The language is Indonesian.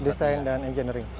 desain dan engineering